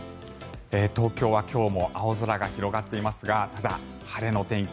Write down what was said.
東京は今日も青空が広がっていますがただ、晴れの天気